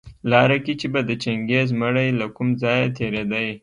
لاره کي چي به د چنګېز مړى له کوم ځايه تېرېدى